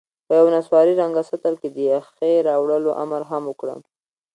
په یوه نسواري رنګه سطل کې د یخې راوړلو امر هم وکړم.